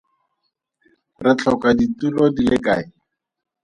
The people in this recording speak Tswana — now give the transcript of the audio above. Re tlhoka ditulo di le kae?